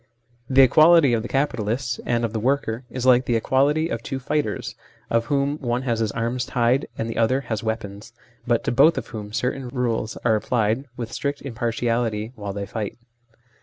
The equality of the 6 82 THE SLAVERY OF OUR TIMES capitalist and of the worker is like the equality of two fighters, of whom one has his arms tied and the other has weapons, but to both of whom certain rules are applied with strict impartiality while they fight.